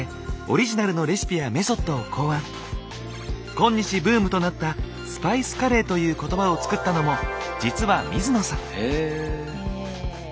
今日ブームとなった「スパイスカレー」という言葉を作ったのも実は水野さん。